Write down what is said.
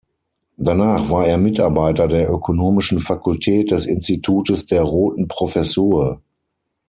Danach war er Mitarbeiter der ökonomischen Fakultät des Institutes der „Roten Professur“.